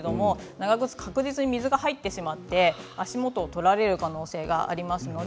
長靴を履きがちですが確実に水が入ってしまって足元を取られる可能性があります。